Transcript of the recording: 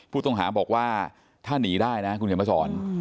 ผู้ต้องหาบอกว่าถ้าหนีได้นะคุณเขียนมาสอน